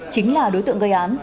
chính là đối tượng gây án